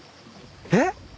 えっ？